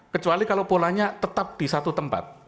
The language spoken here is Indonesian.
kecuali kalau polanya tetap di satu tempat